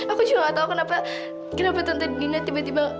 aku juga gak tahu kenapa tante dina tiba tiba